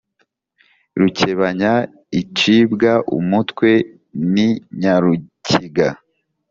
rukebanya icibwa umutwe n’inyarukiga